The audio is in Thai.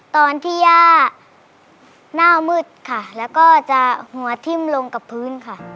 ตอนที่ย่าหน้ามืดค่ะแล้วก็จะหัวทิ้มลงกับพื้นค่ะ